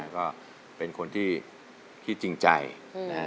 ก็เป็นคนที่จริงใจนะฮะ